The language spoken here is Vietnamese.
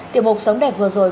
tiểu bục sống đẹp vừa rồi